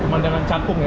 pemandangan cakung ya